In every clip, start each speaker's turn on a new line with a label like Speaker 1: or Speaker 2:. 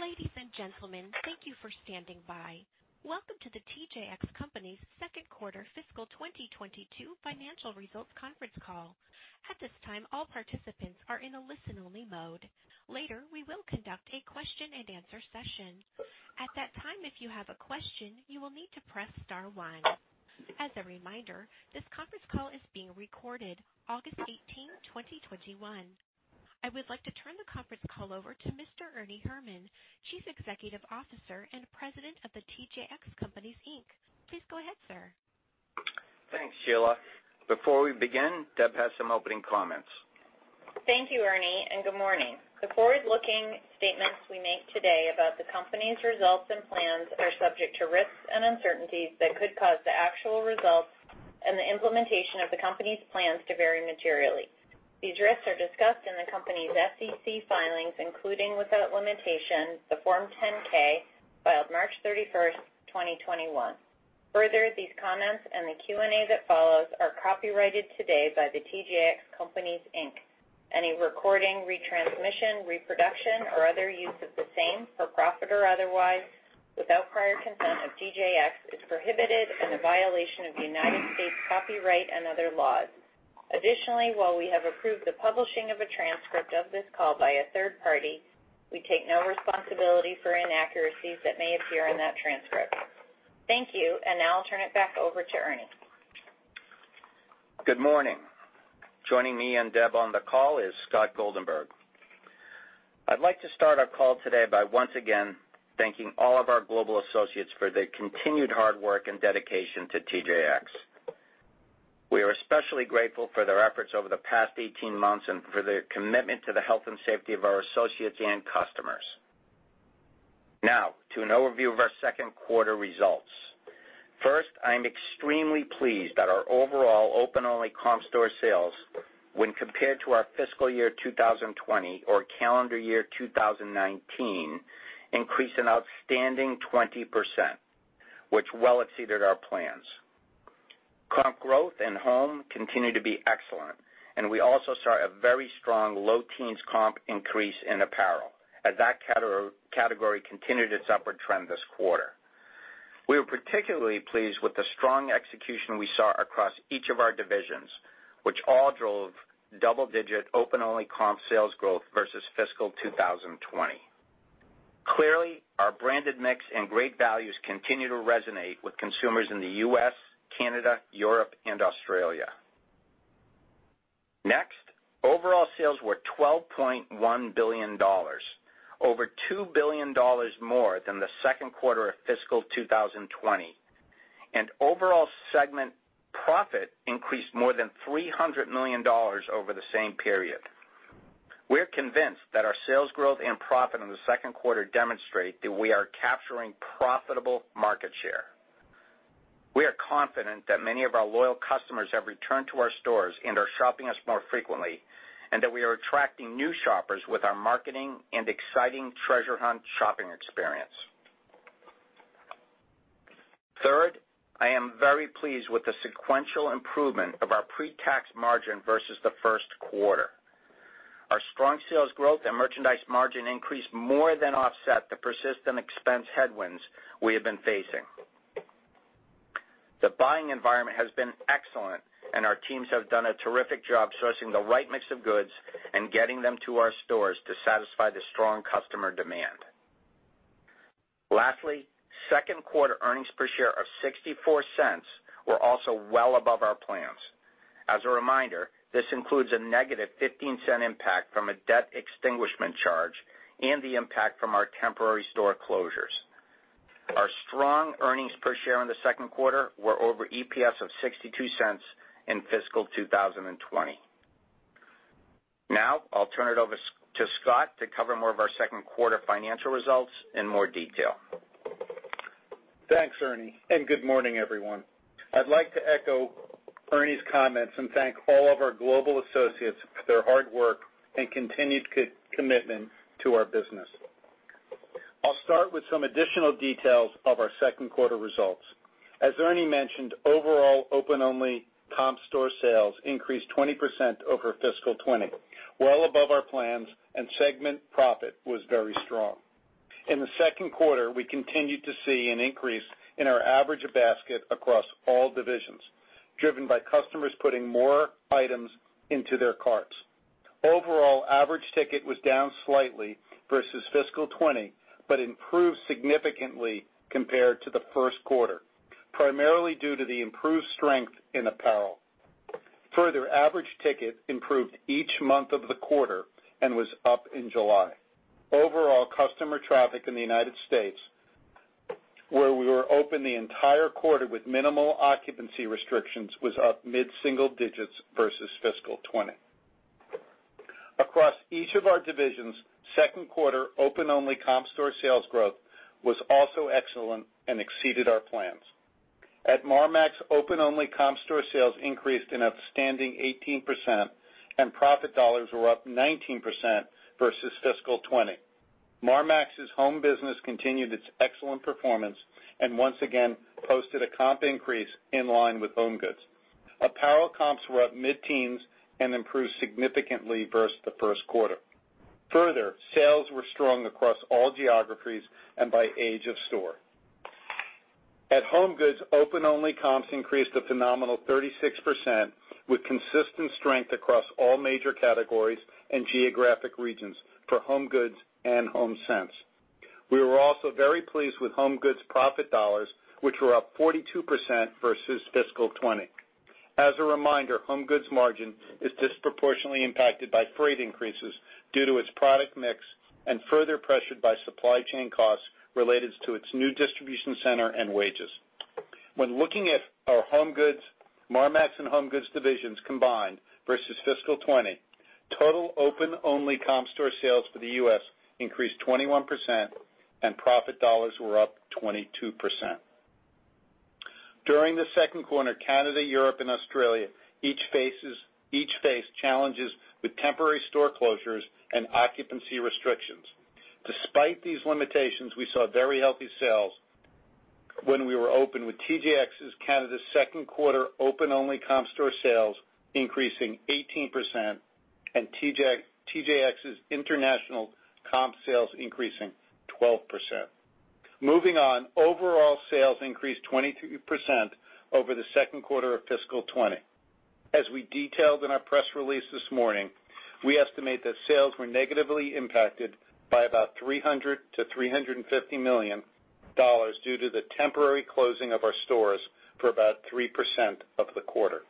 Speaker 1: Ladies and gentlemen, thank you for standing by. Welcome to The TJX Companies' second quarter fiscal 2022 financial results conference call. At this time, all participants are in a listen-only mode. Later, we will conduct a question and answer session. At that time, if you have a question, you will need to press star one. As a reminder, this conference call is being recorded, August 18, 2021. I would like to turn the conference call over to Mr. Ernie Herrman, Chief Executive Officer and President of The TJX Companies, Inc. Please go ahead, sir.
Speaker 2: Thanks, Sheila. Before we begin, Deb has some opening comments.
Speaker 3: Thank you, Ernie, and good morning. The forward-looking statements we make today about the company's results and plans are subject to risks and uncertainties that could cause the actual results and the implementation of the company's plans to vary materially. These risks are discussed in the company's SEC filings, including, without limitation, the Form 10-K filed March 31st, 2021. These comments and the Q&A that follows are copyrighted today by The TJX Companies, Inc. Any recording, retransmission, reproduction, or other use of the same, for profit or otherwise, without prior consent of TJX, is prohibited and a violation of United States copyright and other laws. While we have approved the publishing of a transcript of this call by a third party, we take no responsibility for inaccuracies that may appear in that transcript. Thank you, and now I'll turn it back over to Ernie.
Speaker 2: Good morning. Joining me and Deb on the call is Scott Goldenberg. I'd like to start our call today by once again thanking all of our global associates for their continued hard work and dedication to TJX. We are especially grateful for their efforts over the past 18 months and for their commitment to the health and safety of our associates and customers. Now, to an overview of our second quarter results. First, I am extremely pleased that our overall open-only comp store sales, when compared to our fiscal year 2020 or calendar year 2019, increased an outstanding 20%, which well exceeded our plans. Comp growth in home continued to be excellent, and we also saw a very strong low teens comp increase in apparel, as that category continued its upward trend this quarter. We are particularly pleased with the strong execution we saw across each of our divisions, which all drove double-digit open-only comp sales growth versus fiscal 2020. Clearly, our branded mix and great values continue to resonate with consumers in the U.S., Canada, Europe, and Australia. Next, overall sales were $12.1 billion, over $2 billion more than the second quarter of fiscal 2020, and overall segment profit increased more than $300 million over the same period. We are convinced that our sales growth and profit in the second quarter demonstrate that we are capturing profitable market share. We are confident that many of our loyal customers have returned to our stores and are shopping us more frequently, and that we are attracting new shoppers with our marketing and exciting treasure hunt shopping experience. Third, I am very pleased with the sequential improvement of our pre-tax margin versus the first quarter. Our strong sales growth and merchandise margin increase more than offset the persistent expense headwinds we have been facing. The buying environment has been excellent, and our teams have done a terrific job sourcing the right mix of goods and getting them to our stores to satisfy the strong customer demand. Lastly, second quarter earnings per share of $0.64 were also well above our plans. As a reminder, this includes a negative $0.15 impact from a debt extinguishment charge and the impact from our temporary store closures. Our strong earnings per share in the second quarter were over EPS of $0.62 in fiscal 2020. Now, I'll turn it over to Scott to cover more of our second quarter financial results in more detail.
Speaker 4: Thanks, Ernie. Good morning, everyone. I'd like to echo Ernie's comments and thank all of our global associates for their hard work and continued commitment to our business. I'll start with some additional details of our second quarter results. As Ernie mentioned, overall open-only comp store sales increased 20% over fiscal 2020, well above our plans, and segment profit was very strong. In the second quarter, we continued to see an increase in our average basket across all divisions, driven by customers putting more items into their carts. Overall, average ticket was down slightly versus fiscal 2020 but improved significantly compared to the first quarter, primarily due to the improved strength in apparel. Average ticket improved each month of the quarter and was up in July. Overall, customer traffic in the United States, where we were open the entire quarter with minimal occupancy restrictions, was up mid-single digits versus fiscal 2020. Across each of our divisions, second quarter open-only comp store sales growth was also excellent and exceeded our plans. At Marmaxx, open-only comp store sales increased an outstanding 18%, and profit dollars were up 19% versus fiscal 2020. Marmaxx's home business continued its excellent performance and once again posted a comp increase in line with HomeGoods. Apparel comps were up mid-teens and improved significantly versus the first quarter. Further, sales were strong across all geographies and by age of store. At HomeGoods, open-only comps increased a phenomenal 36%, with consistent strength across all major categories and geographic regions for HomeGoods and Homesense. We were also very pleased with HomeGoods profit dollars, which were up 42% versus fiscal 2020. As a reminder, HomeGoods margin is disproportionately impacted by freight increases due to its product mix and further pressured by supply chain costs related to its new distribution center and wages. When looking at our HomeGoods, Marmaxx and HomeGoods divisions combined versus fiscal 2020, total open-only comp store sales for the U.S. increased 21% and profit dollars were up 22%. During the second quarter, Canada, Europe, and Australia each faced challenges with temporary store closures and occupancy restrictions. Despite these limitations, we saw very healthy sales when we were open, with TJX Canada second quarter open-only comp store sales increasing 18% and TJX International comp sales increasing 12%. Moving on, overall sales increased 22% over the second quarter of fiscal 2020. As we detailed in our press release this morning, we estimate that sales were negatively impacted by about $300 million-$350 million due to the temporary closing of our stores for about 3% of the quarter.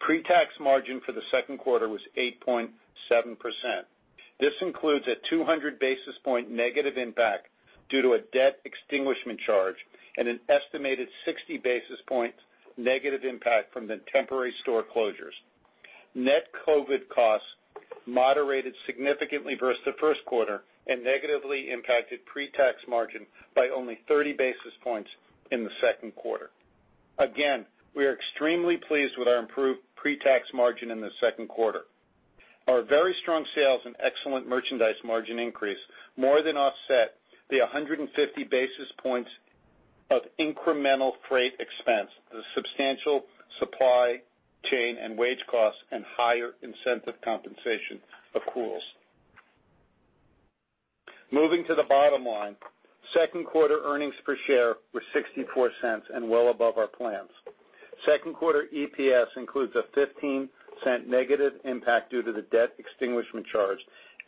Speaker 4: Pre-tax margin for the second quarter was 8.7%. This includes a 200 basis points negative impact due to a debt extinguishment charge and an estimated 60 basis points negative impact from the temporary store closures. Net COVID costs moderated significantly versus the first quarter and negatively impacted pre-tax margin by only 30 basis points in the second quarter. Again, we are extremely pleased with our improved pre-tax margin in the second quarter. Our very strong sales and excellent merchandise margin increase more than offset the 150 basis points of incremental freight expense, the substantial supply chain and wage costs, and higher incentive compensation of accruals. Moving to the bottom line, second quarter earnings per share were $0.64 and well above our plans. Second quarter EPS includes a $0.15 negative impact due to the debt extinguishment charge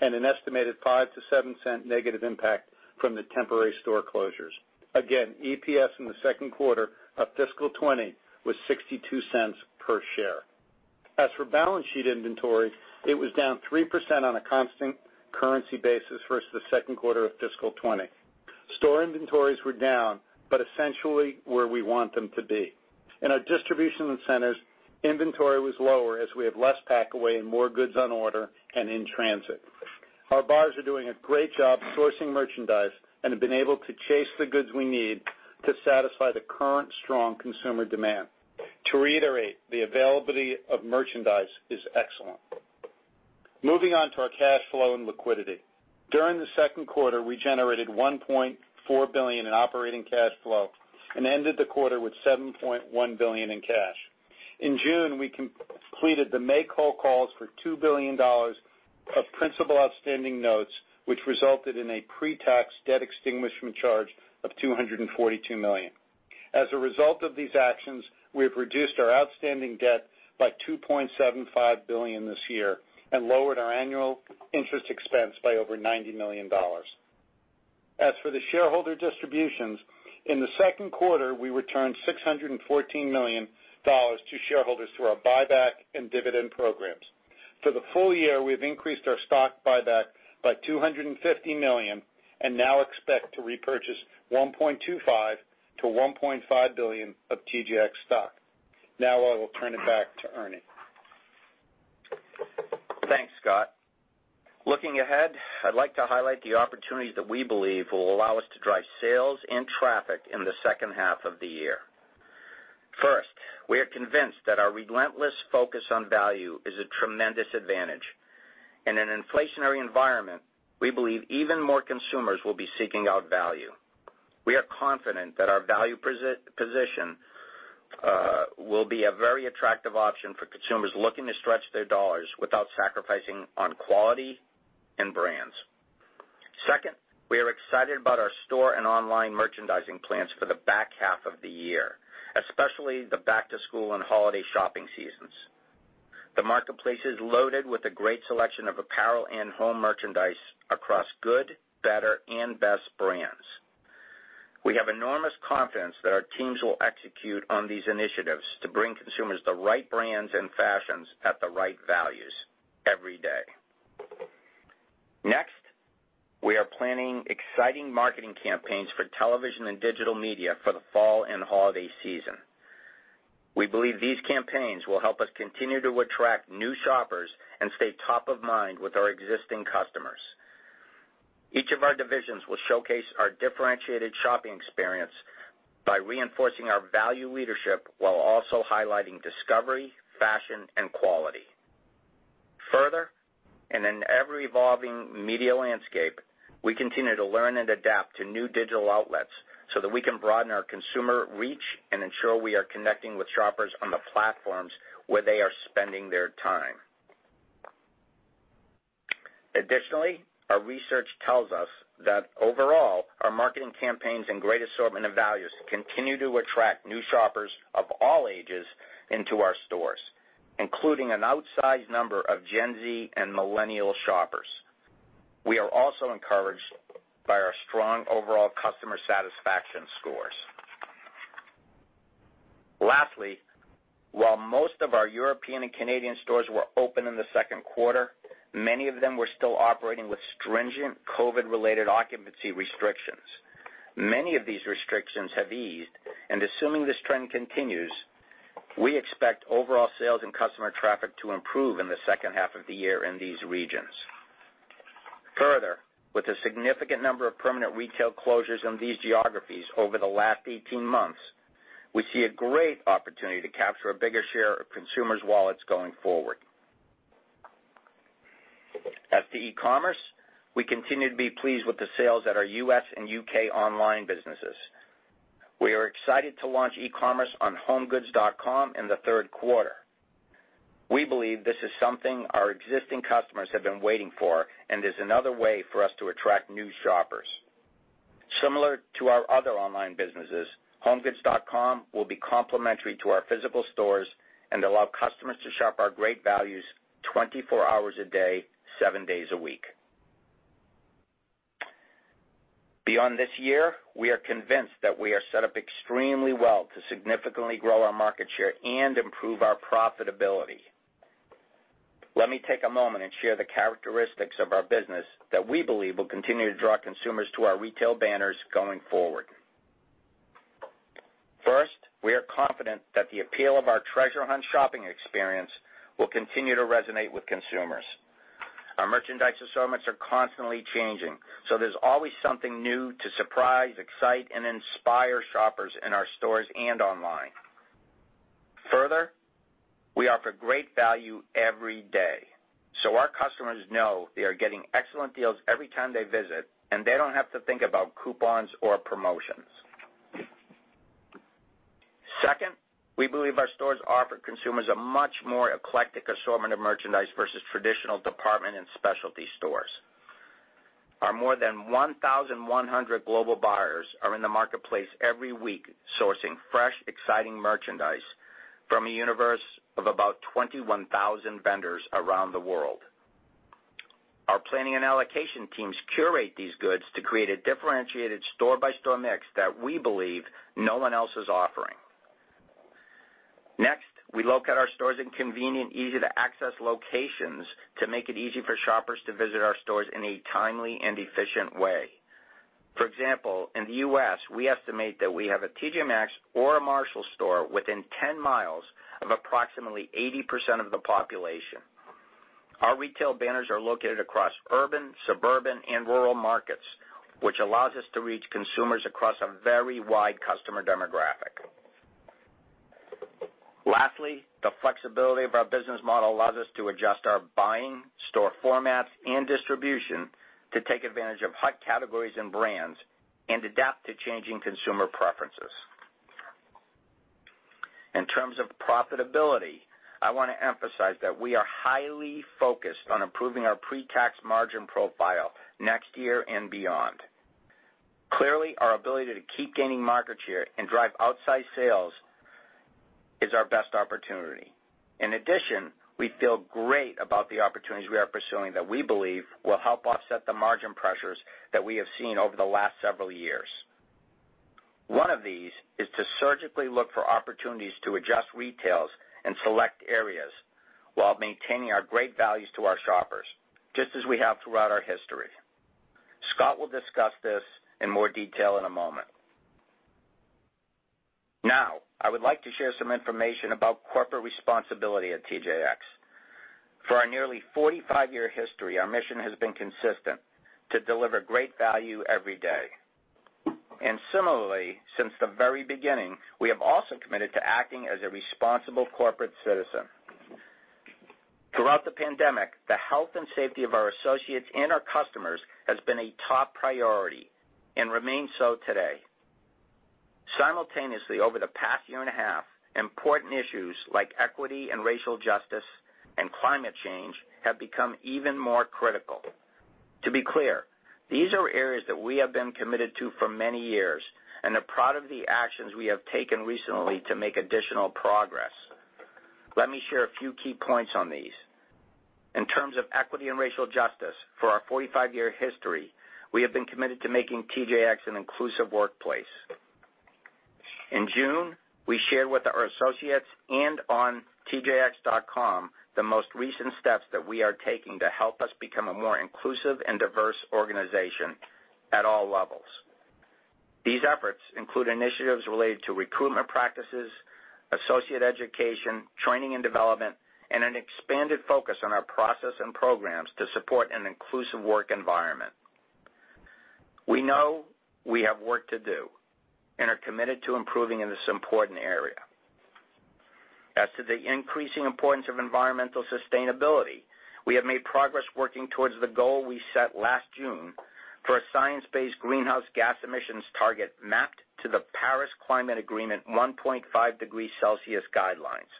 Speaker 4: and an estimated $0.05-$0.07 negative impact from the temporary store closures. Again, EPS in the second quarter of fiscal 2020 was $0.62/share. As for balance sheet inventory, it was down 3% on a constant currency basis versus the second quarter of fiscal 2020. Store inventories were down, but essentially where we want them to be. In our distribution centers, inventory was lower as we have less packaway and more goods on order and in transit. Our buyers are doing a great job sourcing merchandise and have been able to chase the goods we need to satisfy the current strong consumer demand. To reiterate, the availability of merchandise is excellent. Moving on to our cash flow and liquidity. During the second quarter, we generated $1.4 billion in operating cash flow and ended the quarter with $7.1 billion in cash. In June, we completed the make-whole calls for $2 billion of principal outstanding notes, which resulted in a pre-tax debt extinguishment charge of $242 million. As a result of these actions, we have reduced our outstanding debt by $2.75 billion this year and lowered our annual interest expense by over $90 million. As for the shareholder distributions, in the second quarter, we returned $614 million to shareholders through our buyback and dividend programs. For the full year, we've increased our stock buyback by $250 million and now expect to repurchase $1.25 billion-$1.5 billion of TJX stock. Now I will turn it back to Ernie.
Speaker 2: Thanks, Scott. Looking ahead, I'd like to highlight the opportunities that we believe will allow us to drive sales and traffic in the second half of the year. First, we are convinced that our relentless focus on value is a tremendous advantage. In an inflationary environment, we believe even more consumers will be seeking out value. We are confident that our value position will be a very attractive option for consumers looking to stretch their dollars without sacrificing on quality and brands. Second, we are excited about our store and online merchandising plans for the back half of the year, especially the back-to-school and holiday shopping seasons. The marketplace is loaded with a great selection of apparel and home merchandise across good, better, and best brands. We have enormous confidence that our teams will execute on these initiatives to bring consumers the right brands and fashions at the right values every day. We are planning exciting marketing campaigns for television and digital media for the fall and holiday season. We believe these campaigns will help us continue to attract new shoppers and stay top of mind with our existing customers. Each of our divisions will showcase our differentiated shopping experience by reinforcing our value leadership while also highlighting discovery, fashion, and quality. Ever-evolving media landscape, we continue to learn and adapt to new digital outlets so that we can broaden our consumer reach and ensure we are connecting with shoppers on the platforms where they are spending their time. Additionally, our research tells us that overall, our marketing campaigns and great assortment of values continue to attract new shoppers of all ages into our stores, including an outsized number of Gen Z and millennial shoppers. We are also encouraged by our strong overall customer satisfaction scores. Lastly, while most of our European and Canadian stores were open in the second quarter, many of them were still operating with stringent COVID-related occupancy restrictions. Many of this restrictions have ease. Assuming this trend continues, we expect overall sales and customer traffic to improve in the second half of the year in these regions. Further, with a significant number of permanent retail closures in these geographies over the last 18 months, we see a great opportunity to capture a bigger share of consumers' wallets going forward. As to e-commerce, we continue to be pleased with the sales at our U.S. and U.K. online businesses. We are excited to launch e-commerce on homegoods.com in the third quarter. We believe this is something our existing customers have been waiting for and is another way for us to attract new shoppers. Similar to our other online businesses, homegoods.com will be complementary to our physical stores and allow customers to shop our great values 24 hours a day, seven days a week. Beyond this year, we are convinced that we are set up extremely well to significantly grow our market share and improve our profitability. Let me take a moment and share the characteristics of our business that we believe will continue to draw consumers to our retail banners going forward. First, we are confident that the appeal of our treasure hunt shopping experience will continue to resonate with consumers. Our merchandise assortments are constantly changing, so there's always something new to surprise, excite, and inspire shoppers in our stores and online. Further, we offer great value every day, so our customers know they are getting excellent deals every time they visit, and they don't have to think about coupons or promotions. Second, we believe our stores offer consumers a much more eclectic assortment of merchandise versus traditional department and specialty stores. Our more than 1,100 global buyers are in the marketplace every week sourcing fresh, exciting merchandise from a universe of about 21,000 vendors around the world. Our planning and allocation teams curate these goods to create a differentiated store by store mix that we believe no one else is offering. Next, we locate our stores in convenient, easy to access locations to make it easy for shoppers to visit our stores in a timely and efficient way. For example, in the U.S., we estimate that we have a T.J. Maxx or a Marshalls store within 10 miles of approximately 80% of the population. Our retail banners are located across urban, suburban, and rural markets, which allows us to reach consumers across a very wide customer demographic. Lastly, the flexibility of our business model allows us to adjust our buying, store formats, and distribution to take advantage of hot categories and brands and adapt to changing consumer preferences. In terms of profitability, I want to emphasize that we are highly focused on improving our pre-tax margin profile next year and beyond. Clearly, our ability to keep gaining market share and drive outside sales is our best opportunity. In addition, we feel great about the opportunities we are pursuing that we believe will help offset the margin pressures that we have seen over the last several years. One of these is to surgically look for opportunities to adjust retails in select areas while maintaining our great values to our shoppers, just as we have throughout our history. Scott will discuss this in more detail in a moment. I would like to share some information about corporate responsibility at TJX. For our nearly 45-year history, our mission has been consistent: to deliver great value every day. Similarly, since the very beginning, we have also committed to acting as a responsible corporate citizen. Throughout the pandemic, the health and safety of our associates and our customers has been a top priority and remains so today. Simultaneously, over the past year and a half, important issues like equity and racial justice and climate change have become even more critical. To be clear, these are areas that we have been committed to for many years and are proud of the actions we have taken recently to make additional progress. Let me share a few key points on these. In terms of equity and racial justice, for our 45-year history, we have been committed to making TJX an inclusive workplace. In June, we shared with our associates and on tjx.com the most recent steps that we are taking to help us become a more inclusive and diverse organization at all levels. These efforts include initiatives related to recruitment practices, associate education, training and development, and an expanded focus on our process and programs to support an inclusive work environment. We know we have work to do and are committed to improving in this important area. As to the increasing importance of environmental sustainability, we have made progress working towards the goal we set last June for a science-based greenhouse gas emissions target mapped to the Paris Climate Agreement 1.5 degrees Celsius guidelines.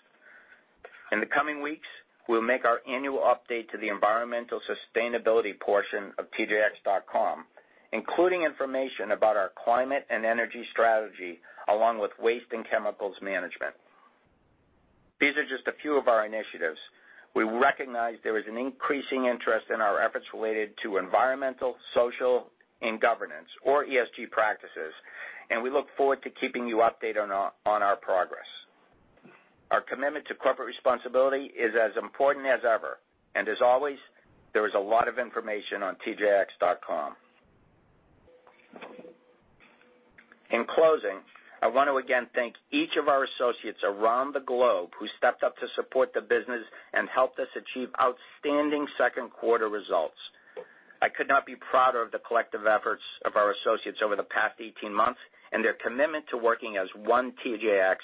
Speaker 2: In the coming weeks, we'll make our annual update to the environmental sustainability portion of tjx.com, including information about our climate and energy strategy, along with waste and chemicals management. These are just a few of our initiatives. We recognize there is an increasing interest in our efforts related to environmental, social, and governance, or ESG practices, and we look forward to keeping you updated on our progress. Our commitment to corporate responsibility is as important as ever, and as always, there is a lot of information on tjx.com. In closing, I want to again thank each of our associates around the globe who stepped up to support the business and helped us achieve outstanding second quarter results. I could not be prouder of the collective efforts of our associates over the past 18 months and their commitment to working as one TJX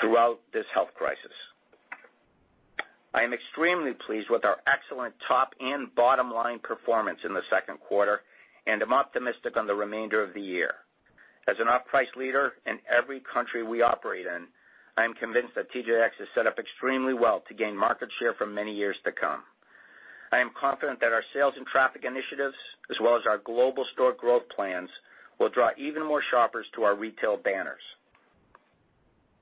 Speaker 2: throughout this health crisis. I am extremely pleased with our excellent top and bottom-line performance in the second quarter, and I'm optimistic on the remainder of the year. As an off-price leader in every country we operate in, I am convinced that TJX is set up extremely well to gain market share for many years to come. I am confident that our sales and traffic initiatives, as well as our global store growth plans, will draw even more shoppers to our retail banners.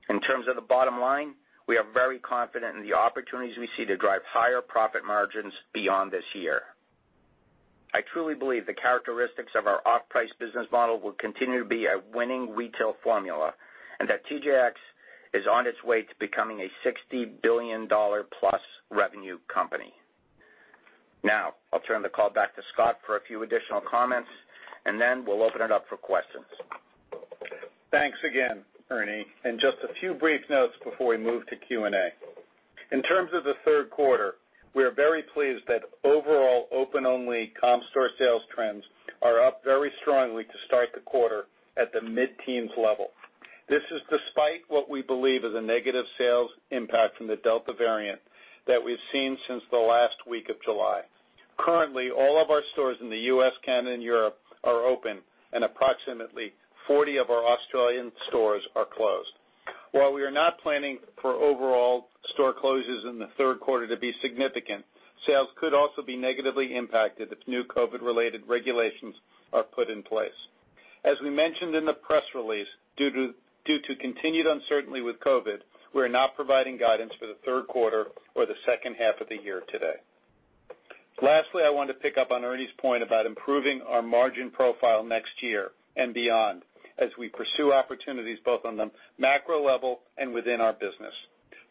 Speaker 2: In terms of the bottom line, we are very confident in the opportunities we see to drive higher profit margins beyond this year. I truly believe the characteristics of our off-price business model will continue to be a winning retail formula, and that TJX is on its way to becoming a +$60 billion revenue company. Now, I'll turn the call back to Scott for a few additional comments, and then we'll open it up for questions.
Speaker 4: Thanks again, Ernie. Just a few brief notes before we move to Q&A. In terms of the 3rd quarter, we are very pleased that overall open-only comp store sales trends are up very strongly to start the quarter at the mid-teens level. This is despite what we believe is a negative sales impact from the Delta variant that we've seen since the last week of July. Currently, all of our stores in the U.S., Canada, and Europe are open, and approximately 40 of our Australian stores are closed. While we are not planning for overall store closures in the 3rd quarter to be significant, sales could also be negatively impacted if new COVID-related regulations are put in place. As we mentioned in the press release, due to continued uncertainty with COVID, we're not providing guidance for the 3rd quarter or the 2nd half of the year today. Lastly, I wanted to pick up on Ernie's point about improving our margin profile next year and beyond as we pursue opportunities both on the macro level and within our business.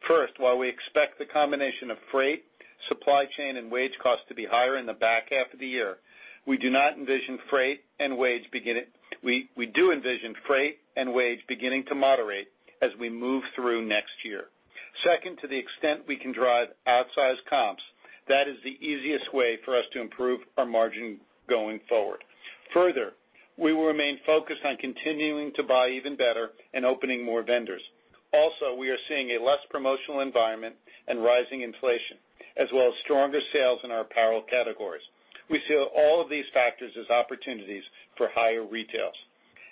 Speaker 4: First, while we expect the combination of freight, supply chain, and wage costs to be higher in the back half of the year, we do envision freight and wage beginning to moderate as we move through next year. Second, to the extent we can drive outsized comps, that is the easiest way for us to improve our margin going forward. Further, we will remain focused on continuing to buy even better and opening more vendors. Also, we are seeing a less promotional environment and rising inflation, as well as stronger sales in our apparel categories. We see all of these factors as opportunities for higher retails.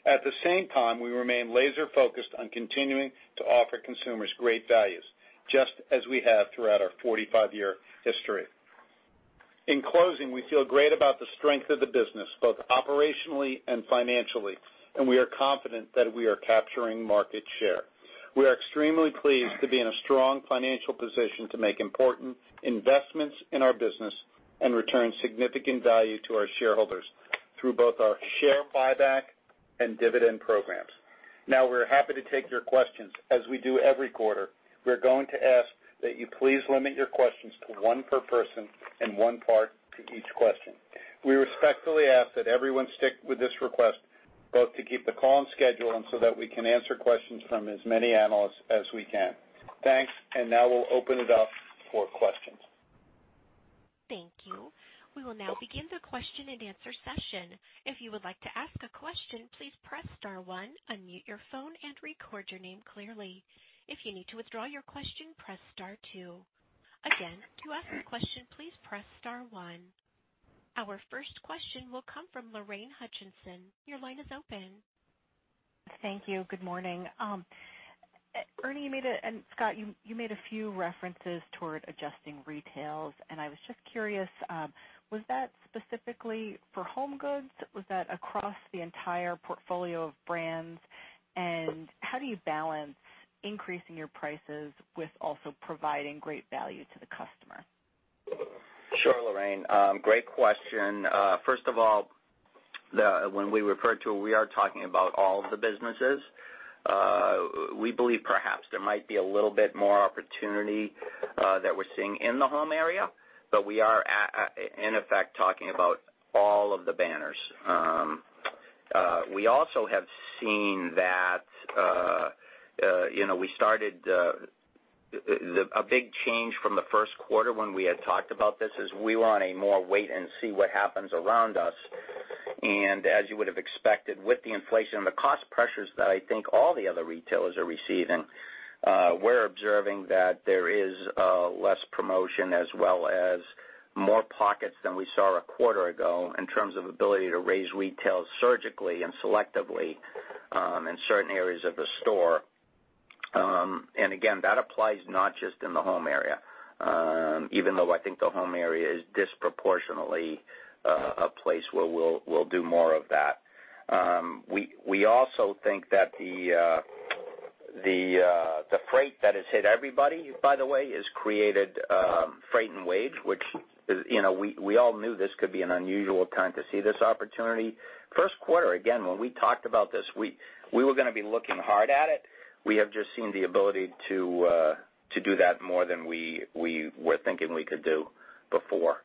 Speaker 4: At the same time, we remain laser-focused on continuing to offer consumers great values, just as we have throughout our 45-year history. In closing, we feel great about the strength of the business, both operationally and financially, and we are confident that we are capturing market share. We are extremely pleased to be in a strong financial position to make important investments in our business and return significant value to our shareholders through both our share buyback and dividend programs. Now, we're happy to take your questions. As we do every quarter, we're going to ask that you please limit your questions to one per person and one part to each question. We respectfully ask that everyone stick with this request, both to keep the call on schedule and so that we can answer questions from as many analysts as we can. Thanks. Now we'll open it up for questions.
Speaker 1: Thank you. We will now begin the question and answer session. If you would like to ask a question, please press star one, unmute your phone and record your name clearly. If you need to withdraw your question, press star two. Again, to ask a question, please press star one. Our first question will come from Lorraine Hutchinson. Your line is open.
Speaker 5: Thank you. Good morning. Ernie and Scott, you made a few references toward adjusting retails, I was just curious, was that specifically for HomeGoods? Was that across the entire portfolio of brands? And how do you balance increasing your prices with also providing great value to the customer?
Speaker 2: Sure, Lorraine. Great question. First of all, when we refer to it, we are talking about all of the businesses. We believe perhaps there might be a little bit more opportunity that we're seeing in the home area, but we are, in effect, talking about all of the banners. We also have seen that we started a big change from the first quarter when we had talked about this is we were on a more wait and see what happens around us. As you would have expected with the inflation and the cost pressures that I think all the other retailers are receiving, we're observing that there is less promotion as well as more pockets than we saw a quarter ago in terms of ability to raise retails surgically and selectively in certain areas of the store. Again, that applies not just in the home area, even though I think the home area is disproportionately a place where we'll do more of that. We also think that the freight that has hit everybody, by the way, has created freight and wage, which we all knew this could be an unusual time to see this opportunity. First quarter, again, when we talked about this, we were going to be looking hard at it. We have just seen the ability to do that more than we were thinking we could do before.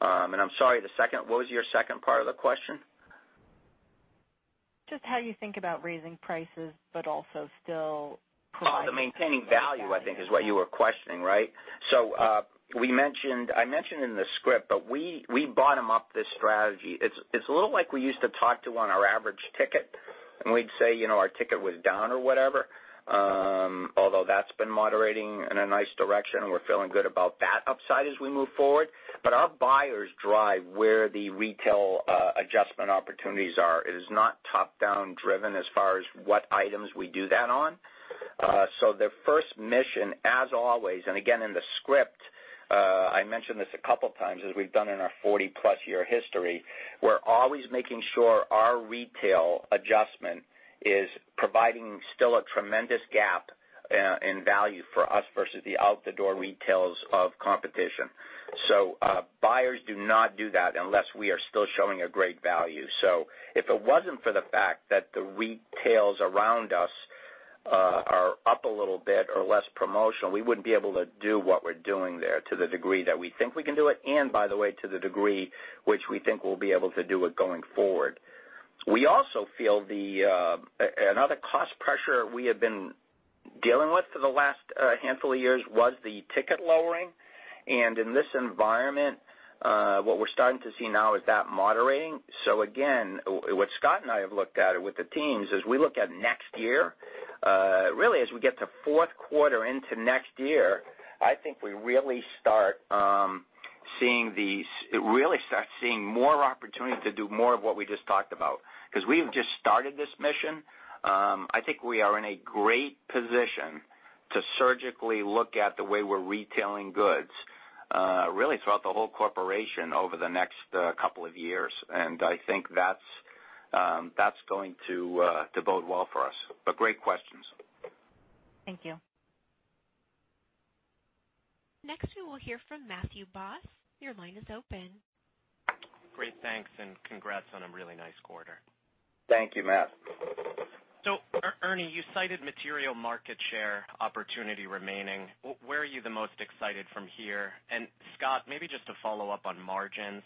Speaker 2: I'm sorry, what was your second part of the question?
Speaker 5: Just how you think about raising prices, but also still providing.
Speaker 2: Oh, the maintaining value, I think, is what you were questioning, right? I mentioned in the script, we bottom-up this strategy. It's a little like we used to talk to on our average ticket, and we'd say our ticket was down or whatever. That's been moderating in a nice direction, and we're feeling good about that upside as we move forward. Our buyers drive where the retail adjustment opportunities are. It is not top-down driven as far as what items we do that on. Their first mission, as always, and again, in the script, I mentioned this a couple times, as we've done in our 40-plus year history. We're always making sure our retail adjustment is providing still a tremendous gap in value for us versus the out-the-door retails of competition. Buyers do not do that unless we are still showing a great value. If it wasn't for the fact that the retails around us are up a little bit or less promotional, we wouldn't be able to do what we're doing there to the degree that we think we can do it, and by the way, to the degree which we think we'll be able to do it going forward. We also feel another cost pressure we have been dealing with for the last handful of years was the ticket lowering. In this environment, what we're starting to see now is that moderating. Again, what Scott and I have looked at with the teams, as we look at next year, really as we get to fourth quarter into next year, I think we really start seeing more opportunity to do more of what we just talked about. Because we have just started this mission. I think we are in a great position to surgically look at the way we're retailing goods, really throughout the whole corporation over the next couple of years. I think that's going to bode well for us. Great questions.
Speaker 5: Thank you.
Speaker 1: Next, we will hear from Matthew Boss. Your line is open.
Speaker 6: Great. Thanks, and congrats on a really nice quarter.
Speaker 2: Thank you, Matt.
Speaker 6: Ernie, you cited material market share opportunity remaining. Where are you the most excited from here? Scott, maybe just to follow up on margins.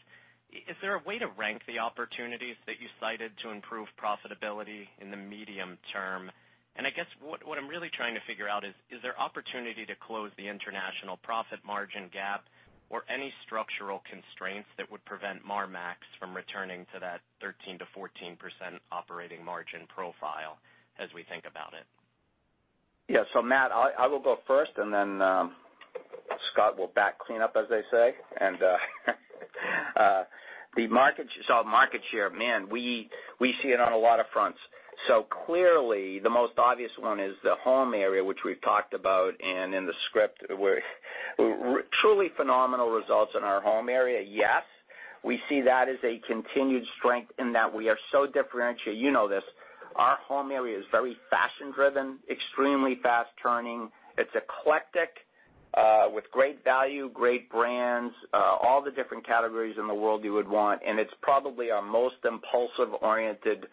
Speaker 6: Is there a way to rank the opportunities that you cited to improve profitability in the medium term? I guess what I'm really trying to figure out is there opportunity to close the international profit margin gap or any structural constraints that would prevent Marmaxx from returning to that 13%-14% operating margin profile as we think about it?
Speaker 2: Yeah. Matt, I will go first, and then Scott will bat clean up, as they say. The market share, man, we see it on a lot of fronts. Clearly, the most obvious one is the home area, which we've talked about, and in the script, where truly phenomenal results in our home area. Yes, we see that as a continued strength in that we are so differentiated. You know this. Our home area is very fashion-driven, extremely fast turning. It's eclectic with great value, great brands, all the different categories in the world you would want, and it's probably our most impulsive-oriented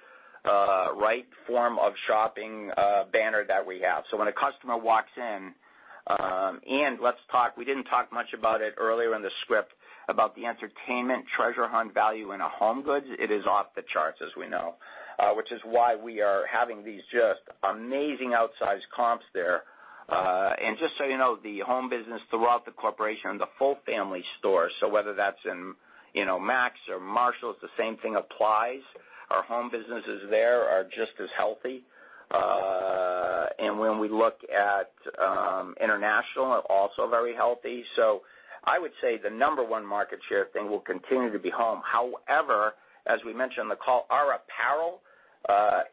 Speaker 2: right form of shopping banner that we have. When a customer walks in, and we didn't talk much about it earlier in the script about the entertainment treasure hunt value in a HomeGoods. It is off the charts, as we know, which is why we are having these just amazing outsized comps there. Just so you know, the home business throughout the corporation and the full family store, so whether that's in Maxx or Marshalls, the same thing applies. Our home businesses there are just as healthy. When we look at international, also very healthy. I would say the number one market share thing will continue to be home. However, as we mentioned in the call, our apparel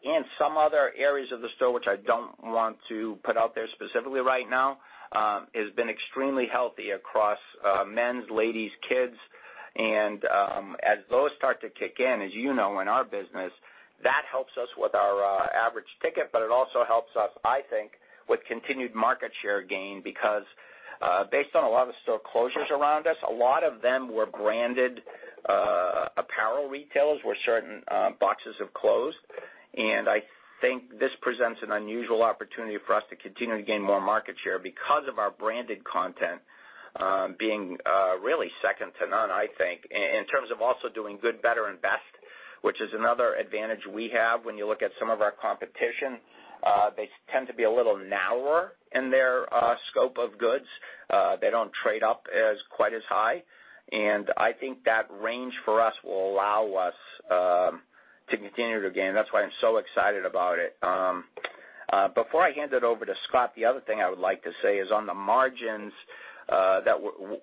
Speaker 2: and some other areas of the store, which I don't want to put out there specifically right now, has been extremely healthy across men's, ladies, kids. As those start to kick in, as you know, in our business, that helps us with our average ticket, but it also helps us, I think, with continued market share gain because based on a lot of store closures around us, a lot of them were branded apparel retailers where certain boxes have closed. I think this presents an unusual opportunity for us to continue to gain more market share because of our branded content being really second to none, I think. In terms of also doing good, better, and best, which is another advantage we have when you look at some of our competition. They tend to be a little narrower in their scope of goods. They don't trade up as quite as high. I think that range for us will allow us to continue to gain. That's why I'm so excited about it. Before I hand it over to Scott, the other thing I would like to say is on the margins, that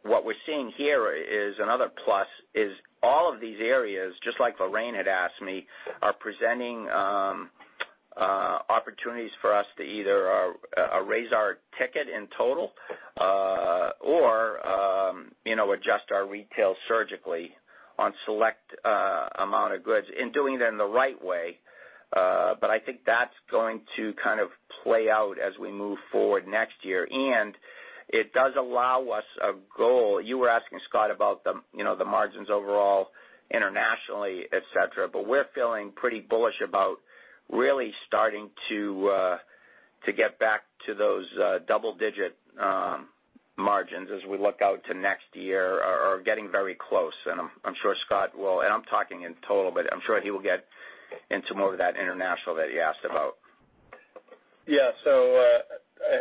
Speaker 2: what we're seeing here is another plus, is all of these areas, just like Lorraine had asked me, are presenting opportunities for us to either raise our ticket in total, or adjust our retail surgically on select amount of goods and doing it in the right way. I think that's going to kind of play out as we move forward next year. It does allow us a goal. You were asking Scott about the margins overall internationally, et cetera. We're feeling pretty bullish about really starting to get back to those double-digit margins as we look out to next year, or getting very close. I'm sure Scott well I'm talking in total, but I'm sure he will get into more of that international that you asked about.
Speaker 4: Yeah.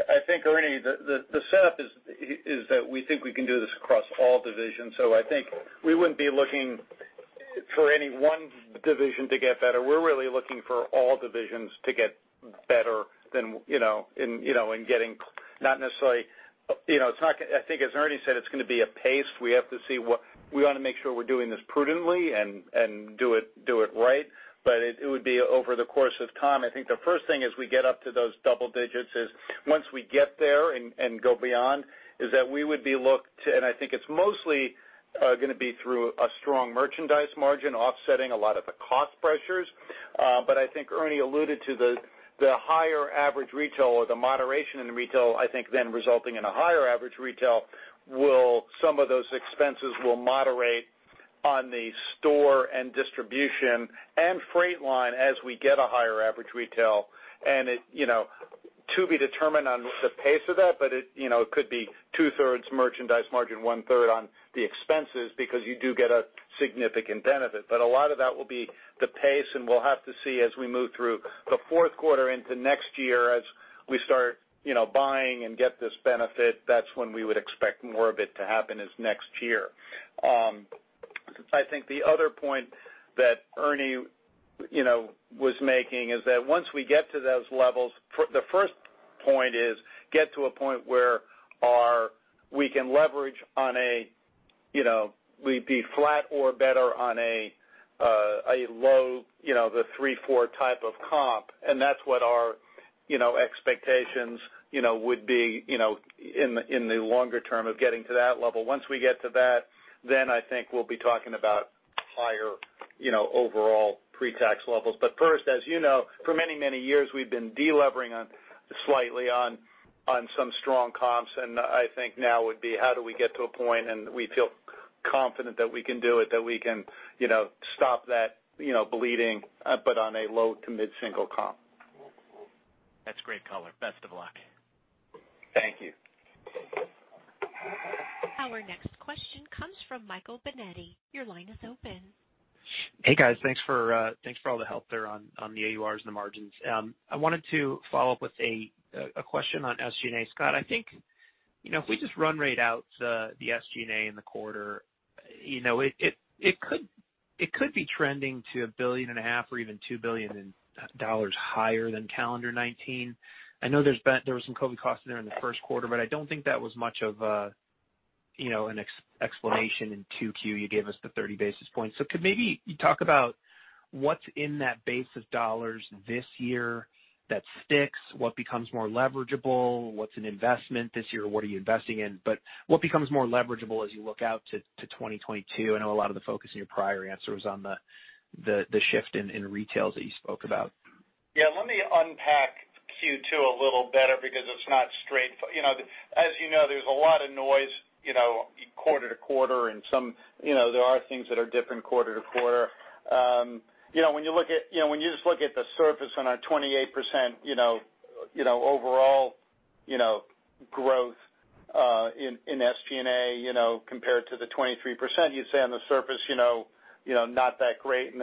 Speaker 4: I think, Ernie, the setup is that we think we can do this across all divisions. I think we wouldn't be looking for any one division to get better. We're really looking for all divisions to get better and getting not necessarily. I think as Ernie said, it's going to be a pace. We want to make sure we're doing this prudently and do it right. It would be over the course of time. I think the first thing as we get up to those double digits is, once we get there and go beyond, is that we would be looked and I think it's mostly going to be through a strong merchandise margin offsetting a lot of the cost pressures. I think Ernie alluded to the higher average retail or the moderation in retail, I think then resulting in a higher average retail, some of those expenses will moderate on the store and distribution and freight line as we get a higher average retail. To be determined on the pace of that, but it could be 2/3 merchandise margin, 1/3 on the expenses because you do get a significant benefit. A lot of that will be the pace, and we'll have to see as we move through the fourth quarter into next year as we start buying and get this benefit. That's when we would expect more of it to happen, is next year. I think the other point that Ernie was making is that once we get to those levels, the first point is get to a point where we can leverage we'd be flat or better on a low three, four type of comp. That's what our expectations would be in the longer term of getting to that level. Once we get to that, then I think we'll be talking about higher overall pre-tax levels. First, as you know, for many, many years, we've been de-leveraging slightly on some strong comps. I think now would be how do we get to a point and we feel confident that we can do it, that we can stop that bleeding, but on a low to mid-single comp.
Speaker 6: That's great color. Best of luck.
Speaker 4: Thank you.
Speaker 1: Our next question comes from Michael Binetti. Your line is open.
Speaker 7: Hey, guys. Thanks for all the help there on the AURs and the margins. I wanted to follow up with a question on SG&A. Scott, I think, if we just run rate out the SG&A in the quarter, it could be trending to $1.5 billion or even $2 billion higher than calendar 2019. I know there was some COVID costs there in the first quarter, but I don't think that was much of an explanation in 2Q. You gave us the 30 basis points. Could maybe you talk about what's in that base of dollars this year that sticks, what becomes more leverageable? What's an investment this year? What are you investing in? What becomes more leverageable as you look out to 2022? I know a lot of the focus in your prior answer was on the shift in retails that you spoke about.
Speaker 4: Yeah, let me unpack Q2 a little better because it's not straightforward. As you know, there's a lot of noise quarter to quarter and there are things that are different quarter to quarter. When you just look at the surface on our 28% overall growth in SG&A compared to the 23%, you'd say on the surface, not that great and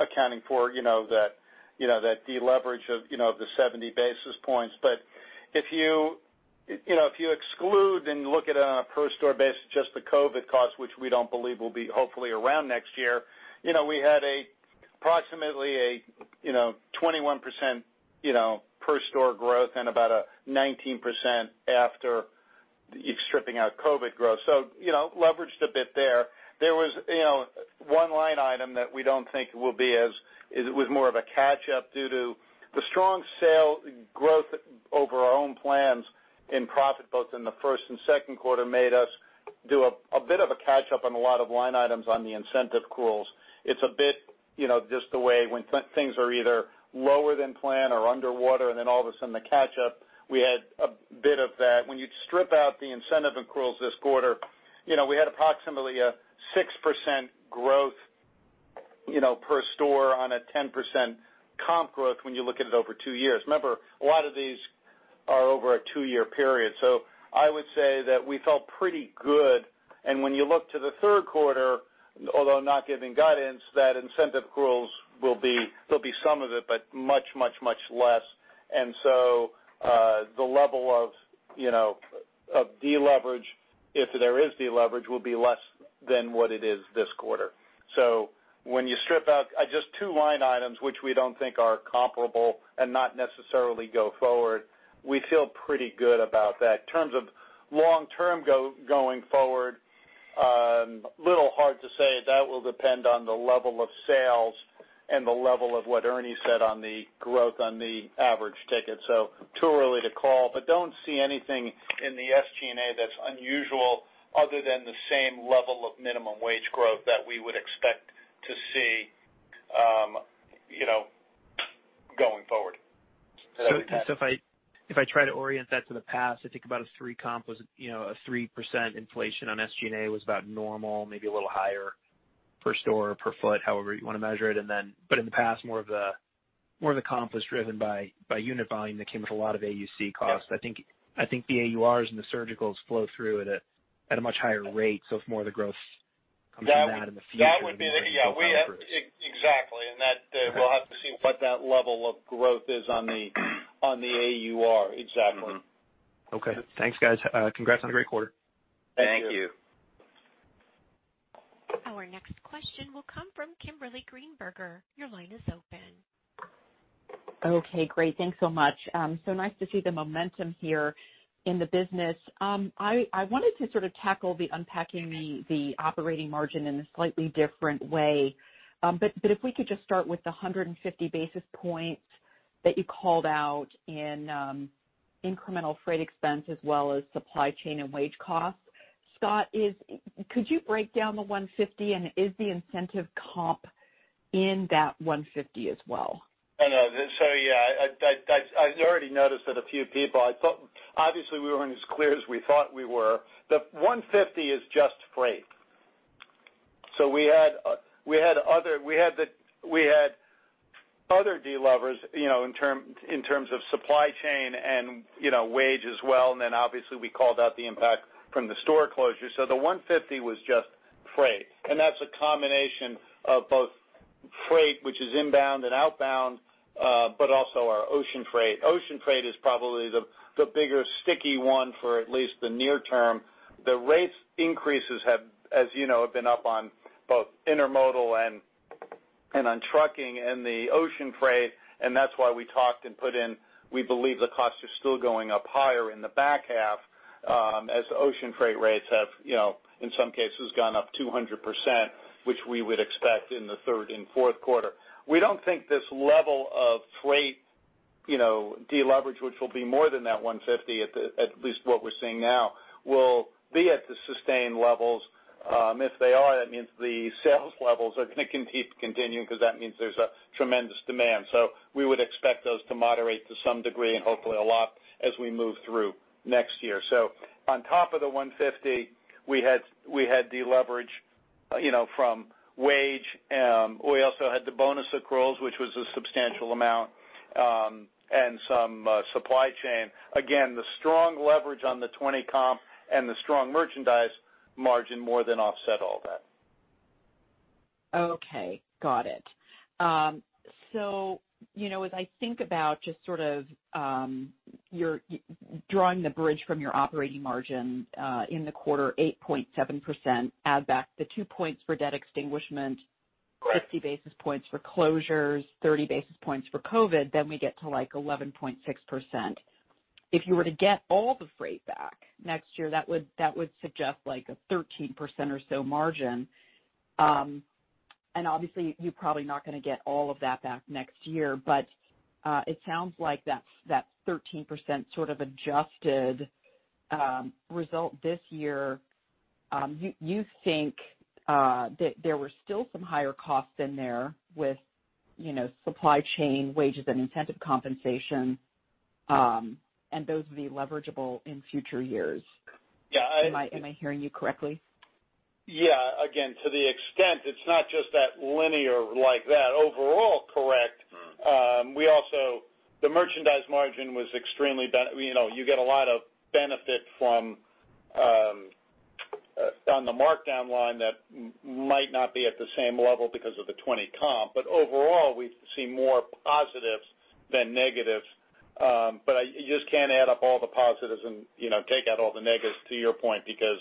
Speaker 4: accounting for that de-leverage of the 70 basis points. If you exclude and look at it on a per store basis, just the COVID cost, which we don't believe will be hopefully around next year, we had approximately a 21% per store growth and about a 19% after stripping out COVID growth. Leveraged a bit there. There was one line item that we don't think will be as. It was more of a catch up due to the strong sale growth over our own plans in profit both in the first and second quarter made us do a bit of a catch up on a lot of line items on the incentive accruals. It's a bit just the way when things are either lower than plan or underwater and then all of a sudden the catch up, we had a bit of that. When you strip out the incentive accruals this quarter, we had approximately a 6% growth per store on a 10% comp growth when you look at it over two years. Remember, a lot of these are over a two-year period. I would say that we felt pretty good. When you look to the third quarter, although not giving guidance, that incentive accruals will be some of it, but much less. The level of deleverage, if there is deleverage, will be less than what it is this quarter. When you strip out just two line items, which we don't think are comparable and not necessarily go forward, we feel pretty good about that. In terms of long-term going forward, a little hard to say. That will depend on the level of sales and the level of what Ernie said on the growth on the average ticket. Too early to call, but don't see anything in the SG&A that's unusual other than the same level of minimum wage growth that we would expect to see going forward.
Speaker 7: If I try to orient that to the past, I think about a 3% inflation on SG&A was about normal, maybe a little higher per store, per foot, however you want to measure it. In the past, more of the comp was driven by unit volume that came with a lot of AUC costs.
Speaker 4: Yeah.
Speaker 7: I think the AURs and the surgicals flow through at a much higher rate. If more of the growth comes from that in the future.
Speaker 4: Yeah, exactly. That we'll have to see what that level of growth is on the AUR. Exactly.
Speaker 7: Okay. Thanks, guys. Congrats on a great quarter.
Speaker 4: Thank you.
Speaker 1: Our next question will come from Kimberly Greenberger. Your line is open.
Speaker 8: Okay, great. Thanks so much. Nice to see the momentum here in the business. I wanted to sort of tackle the unpacking the operating margin in a slightly different way. If we could just start with the 150 basis points that you called out in incremental freight expense as well as supply chain and wage costs. Scott, could you break down the 150 basis points? Is the incentive comp in that 150 basis points as well?
Speaker 4: I know. Yeah, I already noticed that. I thought obviously we weren't as clear as we thought we were. The 150 basis points is just freight. We had other delevers in terms of supply chain and wage as well. Obviously we called out the impact from the store closure. The 150 basis points was just freight, and that's a combination of both freight, which is inbound and outbound, but also our ocean freight. Ocean freight is probably the bigger sticky one for at least the near term. The rates increases have, as you know, have been up on both intermodal and on trucking and the ocean freight. That's why we talked and put in, we believe the costs are still going up higher in the back half as ocean freight rates have, in some cases, gone up 200%, which we would expect in the third and fourth quarter. We don't think this level of freight deleverage, which will be more than that 150 basis points at least what we're seeing now, will be at the sustained levels. If they are, that means the sales levels are going to keep continuing because that means there's a tremendous demand. We would expect those to moderate to some degree and hopefully a lot as we move through next year. On top of the 150 basis points, we had deleverage from wage. We also had the bonus accruals, which was a substantial amount, and some supply chain. The strong leverage on the 20 comp and the strong merchandise margin more than offset all that.
Speaker 8: Okay, got it. As I think about just sort of, you're drawing the bridge from your operating margin in the quarter 8.7%, add back the 2 points for debt extinguishment.
Speaker 4: Correct.
Speaker 8: 50 basis points for closures, 30 basis points for COVID, then we get to like 11.6%. If you were to get all the freight back next year, that would suggest like a 13% or so margin. Obviously, you're probably not going to get all of that back next year. It sounds like that 13% sort of adjusted result this year, you think that there were still some higher costs in there with supply chain wages and incentive compensation, and those will be leverageable in future years.
Speaker 4: Yeah.
Speaker 8: Am I hearing you correctly?
Speaker 4: Again, to the extent it's not just that linear like that overall, correct. The merchandise margin was extremely. You get a lot of benefit on the markdown line that might not be at the same level because of the 20 comp. Overall, we see more positives than negatives. You just can't add up all the positives and take out all the negatives, to your point, because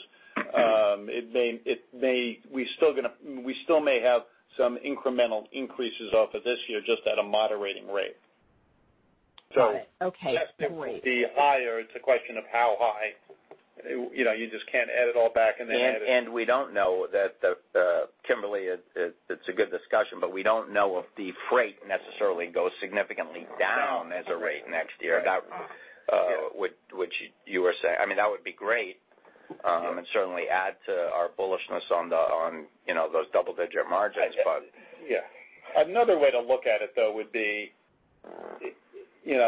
Speaker 4: we still may have some incremental increases off of this year just at a moderating rate.
Speaker 8: Got it. Okay, great.
Speaker 4: That's going to be higher. It's a question of how high.
Speaker 2: We don't know that, Kimberly, it's a good discussion, but we don't know if the freight necessarily goes significantly down as a rate next year. That which you were saying. I mean, that would be great and certainly add to our bullishness on those double-digit margins.
Speaker 4: Yeah. Another way to look at it, though, would be,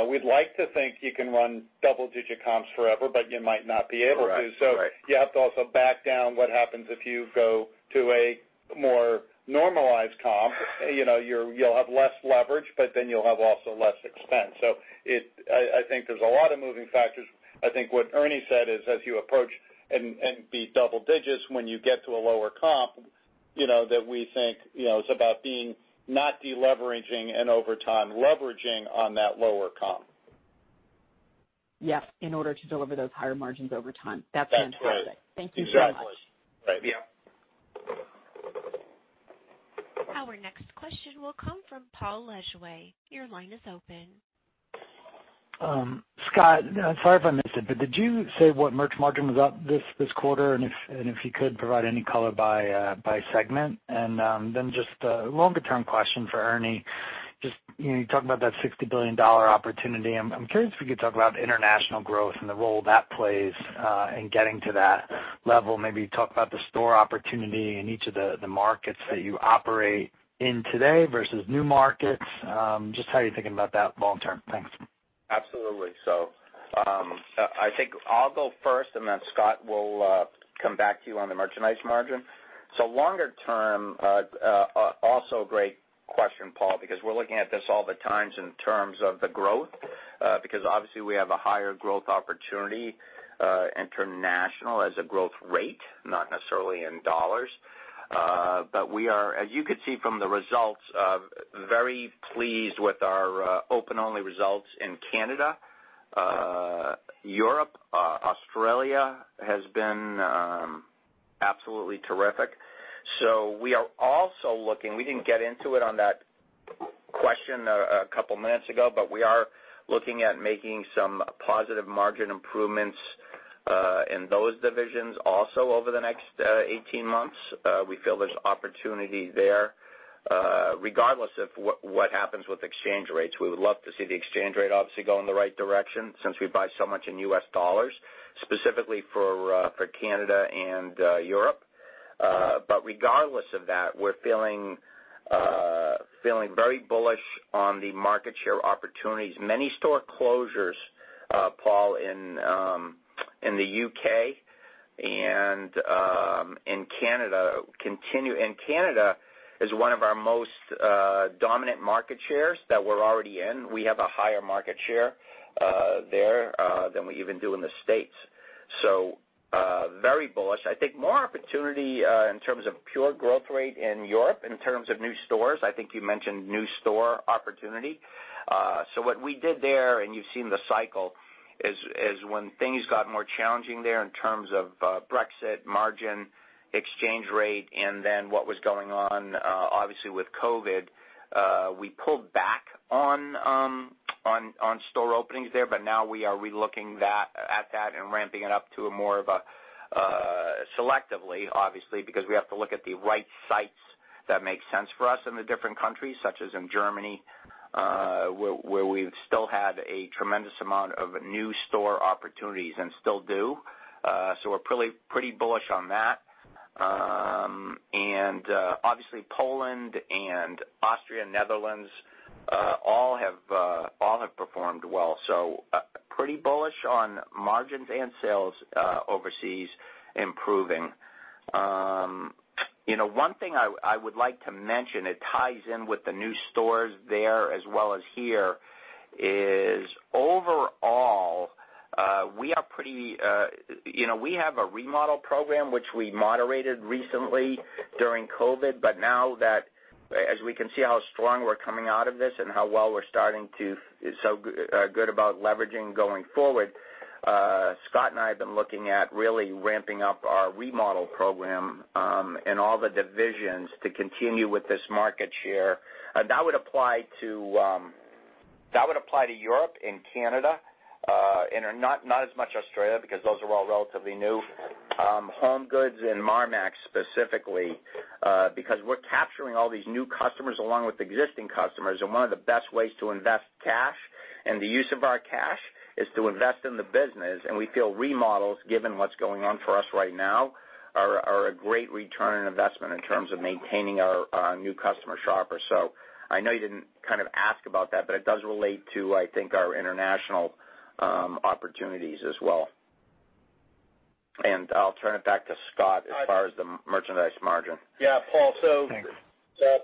Speaker 4: we'd like to think you can run double digit comps forever, but you might not be able to.
Speaker 2: Correct.
Speaker 4: You have to also back down what happens if you go to a more normalized comp. You'll have less leverage, but you'll have also less expense. I think there's a lot of moving factors. I think what Ernie said is as you approach and beat double digits when you get to a lower comp, you kow that we think it's about being not de-leveraging and over time leveraging on that lower comp.
Speaker 8: Yes. In order to deliver those higher margins over time. That's fantastic.
Speaker 2: That's right.
Speaker 8: Thank you very much.
Speaker 2: Exactly. Right. Yeah.
Speaker 1: Our next question will come from Paul Lejuez. Your line is open.
Speaker 9: Scott, sorry if I missed it, did you say what merch margin was up this quarter? If you could provide any color by segment. Just a longer-term question for Ernie. Just, you talked about that $60 billion opportunity. I'm curious if you could talk about international growth and the role that plays in getting to that level. Maybe talk about the store opportunity in each of the markets that you operate in today versus new markets. Just how you're thinking about that long term. Thanks.
Speaker 2: Absolutely. I think I'll go first, and then Scott will come back to you on the merchandise margin. Longer term, also a great question, Paul, because we're looking at this all the time in terms of the growth, because obviously we have a higher growth opportunity, international as a growth rate, not necessarily in dollars. We are, as you could see from the results, very pleased with our open-only results in Canada, Europe. Australia has been absolutely terrific. We are also looking, we didn't get into it on that question a couple of minutes ago, but we are looking at making some positive margin improvements, in those divisions also over the next 18 months. We feel there's opportunity there. Regardless of what happens with exchange rates, we would love to see the exchange rate obviously go in the right direction since we buy so much in U.S. dollars, specifically for Canada and Europe. Regardless of that, we're feeling very bullish on the market share opportunities. Many store closures, Paul, in the U.K. and in Canada continue. Canada is one of our most dominant market shares that we're already in. We have a higher market share there, than we even do in the States. Very bullish. I think more opportunity in terms of pure growth rate in Europe in terms of new stores. I think you mentioned new store opportunity. What we did there, and you've seen the cycle, is when things got more challenging there in terms of Brexit, margin, exchange rate, and then what was going on, obviously with COVID, we pulled back on store openings there. Now we are re-looking at that and ramping it up to a more of a selectively, obviously, because we have to look at the right sites that make sense for us in the different countries, such as in Germany, where we've still had a tremendous amount of new store opportunities and still do. We're pretty bullish on that. Obviously Poland and Austria, Netherlands, all have performed well. Pretty bullish on margins and sales overseas improving. One thing I would like to mention, it ties in with the new stores there as well as here, is overall, we have a remodel program which we moderated recently during COVID. Now that as we can see how strong we're coming out of this and how well we're so good about leveraging going forward, Scott and I have been looking at really ramping up our remodel program in all the divisions to continue with this market share. That would apply to Europe and Canada, and not as much Australia, because those are all relatively new. HomeGoods and Marmaxx specifically, because we're capturing all these new customers along with existing customers, and one of the best ways to invest cash and the use of our cash is to invest in the business. We feel remodels, given what's going on for us right now, are a great return on investment in terms of maintaining our new customer shopper. I know you didn't kind of ask about that, but it does relate to, I think, our international opportunities as well. I'll turn it back to Scott as far as the merchandise margin.
Speaker 4: Yeah, Paul.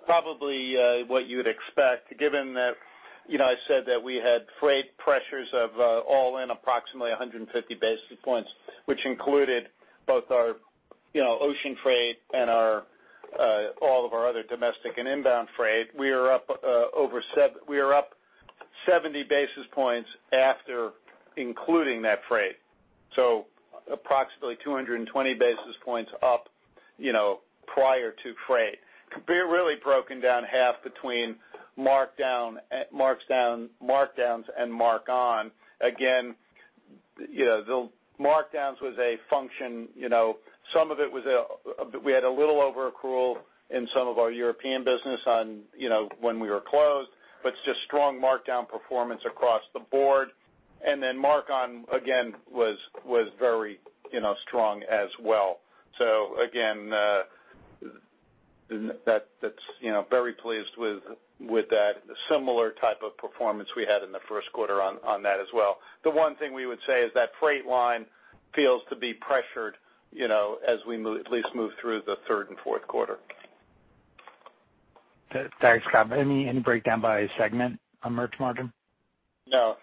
Speaker 4: Probably, what you'd expect given that I said that we had freight pressures of all-in approximately 150 basis points, which included both our ocean freight and all of our other domestic and inbound freight. We are up 70 basis points after including that freight. Approximately 220 basis points up prior to freight. Really broken down half between markdowns and markon. The markdowns was a function, We had a little over accrual in some of our European business when we were closed, but just strong markdown performance across the board. Mark on again was very strong as well. Again, very pleased with that similar type of performance we had in the first quarter on that as well. The one thing we would say is that freight line feels to be pressured as we at least move through the third and fourth quarter.
Speaker 9: Thanks, Scott. Any breakdown by segment on merch margin?
Speaker 2: No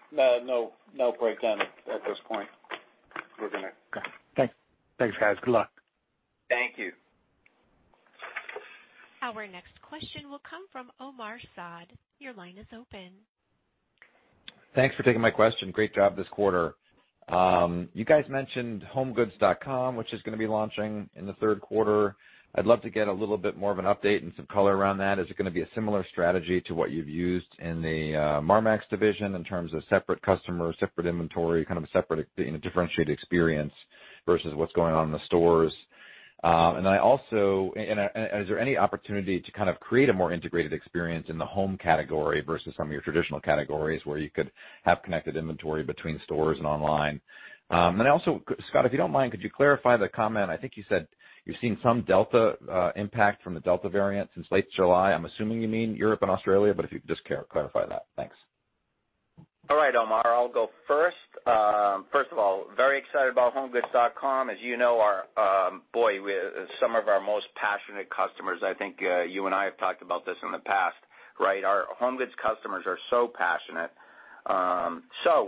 Speaker 2: breakdown at this point. We're going to.
Speaker 9: Okay. Thanks, guys. Good luck.
Speaker 2: Thank you.
Speaker 1: Our next question will come from Omar Saad. Your line is open.
Speaker 10: Thanks for taking my question. Great job this quarter. You guys mentioned homegoods.com, which is going to be launching in the third quarter. I'd love to get a little bit more of an update and some color around that. Is it going to be a similar strategy to what you've used in the Marmaxx division in terms of separate customers, separate inventory, kind of a separate, differentiated experience versus what's going on in the stores? Is there any opportunity to kind of create a more integrated experience in the home category versus some of your traditional categories where you could have connected inventory between stores and online? Then also, Scott, if you don't mind, could you clarify the comment, I think you said you've seen some Delta impact from the Delta variant since late July. I'm assuming you mean Europe and Australia, but if you could just clarify that. Thanks.
Speaker 2: All right, Omar, I'll go first. First of all, very excited about homegoods.com. As you know, boy, some of our most passionate customers, I think, you and I have talked about this in the past, right? Our HomeGoods customers are so passionate.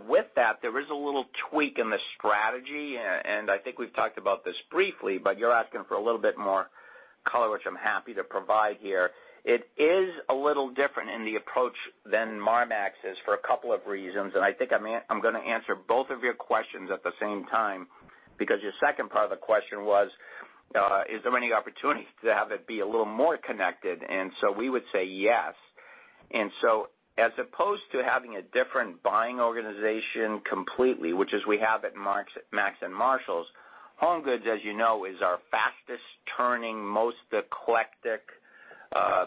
Speaker 2: With that, there is a little tweak in the strategy, and I think we've talked about this briefly, but you're asking for a little bit more color, which I'm happy to provide here. It is a little different in the approach than Marmaxx is for a couple of reasons, and I think I'm going to answer both of your questions at the same time, because your second part of the question was, is there any opportunity to have it be a little more connected? We would say yes. As opposed to having a different buying organization completely, which is we have at T.J. Maxx and Marshalls, HomeGoods, as you know, is our fastest turning, most eclectic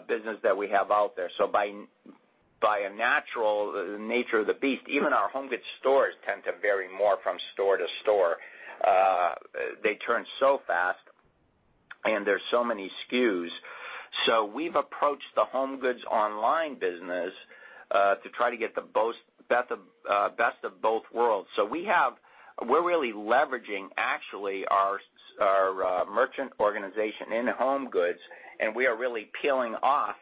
Speaker 2: business that we have out there. By a natural nature of the beast, even our HomeGoods stores tend to vary more from store to store. They turn so fast, and there's so many SKUs. We've approached the HomeGoods online business, to try to get the best of both worlds. We're really leveraging, actually, our merchant organization in HomeGoods, and we are really peeling off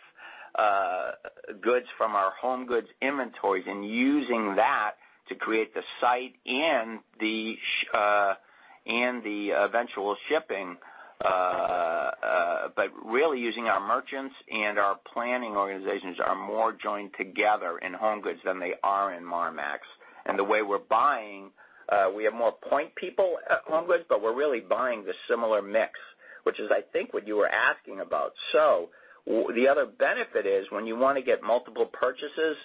Speaker 2: goods from our HomeGoods inventories and using that to create the site and the eventual shipping. Really using our merchants and our planning organizations are more joined together in HomeGoods than they are in Marmaxx. The way we're buying, we have more point people at HomeGoods, but we're really buying the similar mix, which is, I think, what you were asking about. The other benefit is when you want to get multiple purchases,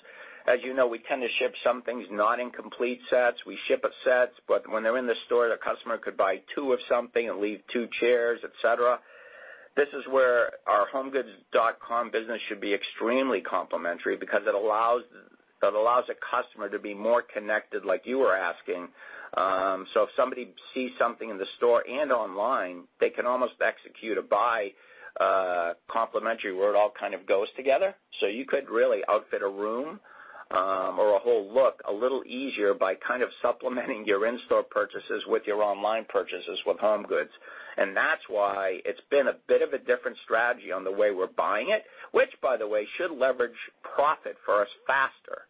Speaker 2: as you know, we tend to ship some things not in complete sets. We ship sets, but when they're in the store, the customer could buy two of something and leave two chairs, et cetera. This is where our homegoods.com business should be extremely complimentary because it allows a customer to be more connected like you were asking. If somebody sees something in the store and online, they can almost execute a buy complimentary where it all kind of goes together. You could really outfit a room, or a whole look a little easier by kind of supplementing your in-store purchases with your online purchases with HomeGoods. That's why it's been a bit of a different strategy on the way we're buying it, which, by the way, should leverage profit for us faster.